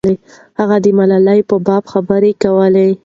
هغه د ملالۍ په باب خبرې کولې.